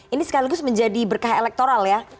ini sekaligus menjadi berkah elektoral ya